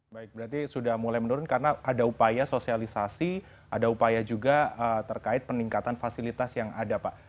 baik berarti sudah mulai menurun karena ada upaya sosialisasi ada upaya juga terkait peningkatan fasilitas yang ada pak